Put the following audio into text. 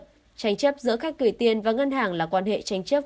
tránh chấp giữa khách gửi tiền và ngân hàng là quan hệ tránh chấp